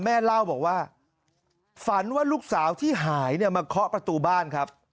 แม่เล่าบอกว่าฝันว่าลูกสาวที่หายเนี่ยมาเคาะประตูบ้านครับ